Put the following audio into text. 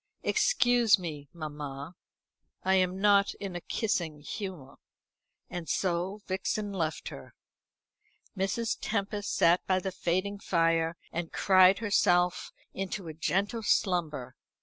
"Excuse me, mamma; I am not in a kissing humour." And so Vixen left her. Mrs. Tempest sat by the fading fire, and cried herself into a gentle slumber.